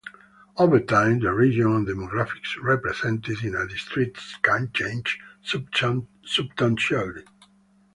Over time, the region and demographics represented in a district can change substantially.